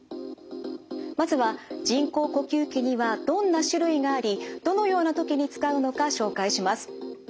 まずは人工呼吸器にはどんな種類がありどのような時に使うのか紹介します。